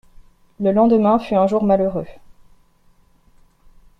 Le lendemain fut un jour malheureux.